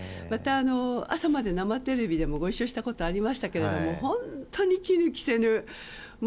また、「朝まで生テレビ！」でもご一緒したことありましたけど本当に歯に衣着せぬ。